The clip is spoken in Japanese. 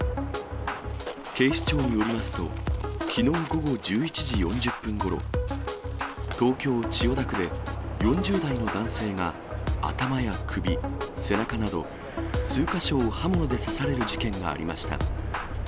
警視庁によりますと、きのう午後１１時４０分ごろ、東京・千代田区で、４０代の男性が頭や首、背中など、数か所を刃物で刺される事件がありました。